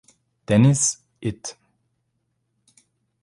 Dennis, it.